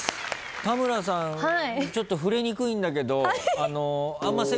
田村さんちょっと触れにくいんだけど。